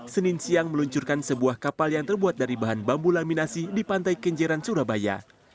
senin siang meluncurkan sebuah kapal yang terbuat dari bahan bambu laminasi di pantai kenjeran surabaya